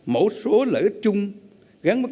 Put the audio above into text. mẫu số lợi ích chung gắn bắt